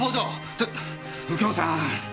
ちょ右京さん！